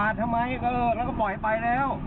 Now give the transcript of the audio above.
ปาดทำไมก็เอ่อเราก็ปล่อยไปแล้ว